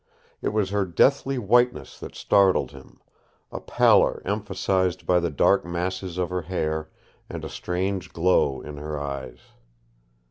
It was her deathly whiteness that startled him, a pallor emphasized by the dark masses of her hair, and a strange glow in her eyes.